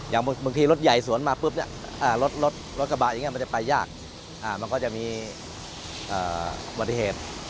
บางทีรถใหญ่สวนมาปุ๊บเนี่ยรถกระบะอย่างนี้มันจะไปยากมันก็จะมีอุบัติเหตุ